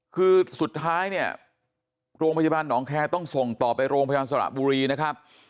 คือสุดท้ายเนี่ยโรงพยาบาลหนองแคร์ต้องส่งต่อไปโรงพยาบาลสระบุรีนะครับ